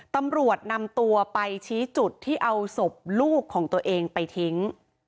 ตำรวจนำตัวไปชี้จุดที่เอาศพลูกของตัวเองไปทิ้ง